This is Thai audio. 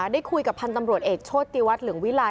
ได้คุยกับพันธ์ตำรวจเอกโชติวัตรเหลืองวิลา